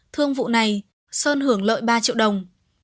thương vụ này sơn hưởng lợi ba triệu đồng